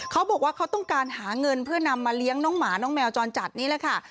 เขาบอกว่าเขาต้องการหาเงินเพื่อนำมาเลี้ยงน้องหมาน้องแมวจรจัดนี่แหละค่ะ